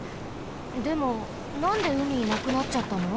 でもなんでうみなくなっちゃったの？